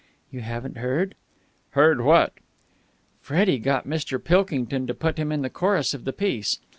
"You haven't heard?" "Heard what?" "Freddie got Mr. Pilkington to put him in the chorus of the piece.